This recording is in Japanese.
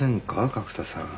角田さん。